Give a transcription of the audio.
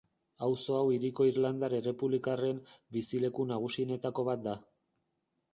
Auzo hau hiriko irlandar errepublikarren bizileku nagusienetako bat da.